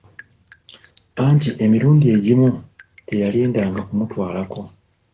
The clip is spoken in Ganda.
Anti emirundi egimu teyalindanga kumutwalako.